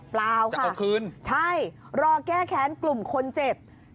เปล่าค่ะใช่รอแก้แค้นกลุ่มคนเจ็บจับเข้าคืน